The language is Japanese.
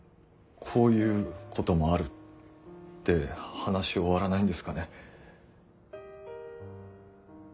「こういうこともある」って話終わらないんですかね。